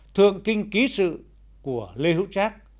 thượng kinh ký sự của lê hữu trọng